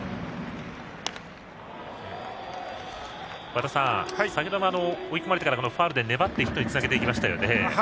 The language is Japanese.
和田さん、先ほども追い込まれてからファウルで粘って１つ、つなげていきましたよね。